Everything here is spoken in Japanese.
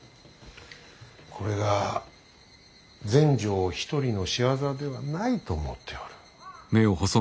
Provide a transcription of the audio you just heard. これが全成一人の仕業ではないと思っておる。